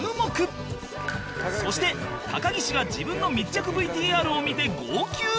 そして高岸が自分の密着 ＶＴＲ を見て号泣